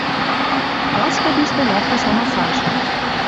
Праско тиштӹ лӓктеш амасашкы